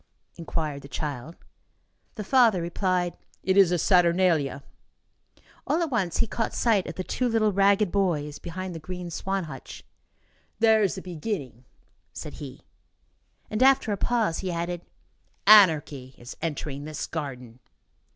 inquired the child. The father replied: "It is the Saturnalia." All at once, he caught sight of the two little ragged boys behind the green swan hutch. "There is the beginning," said he. And, after a pause, he added: "Anarchy is entering this garden."